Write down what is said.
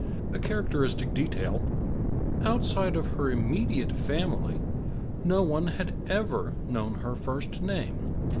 A characteristic detail; outside of her immediate family, no one had ever known her first name.